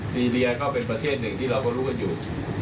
ซีเรียก็เป็นประเทศหนึ่งที่เราก็รู้กันอยู่